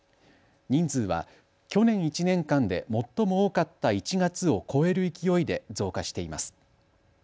人数は去年１年間で最も多かった１月を超える勢いで増加しています。